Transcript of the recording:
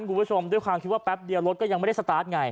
คุณผู้ชมด้วยความคิดว่าแป๊บเดียวรถก็ยังไม่ได้สตาร์ทไง